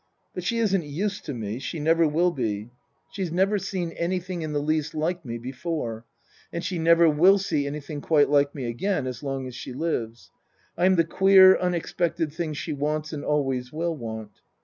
But she isn't used to me. She never will be. She's never seen Book I : My Book 111 anything in the least like me before, and she never will see anything quite like me again as long as she lives. I'm the queer, unexpected thing she wants and always will want.